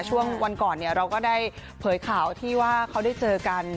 ช่วงวันก่อนเราก็ได้เผยข่าวที่ว่าเขาได้เจอกัน